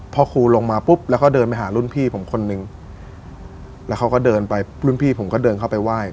พอครูลงมาปุ๊บแล้วก็เดินไปหารุ่นพี่ผมคนนึงแล้วเขาก็เดินไปรุ่นพี่ผมก็เดินเข้าไปไหว้